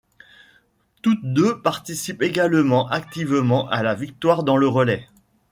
Toutes deux participent également activement à la victoire dans le relais.